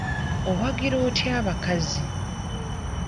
Owagira otya abakazi?